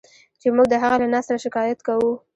چې موږ د هغه له نثره شکایت کوو.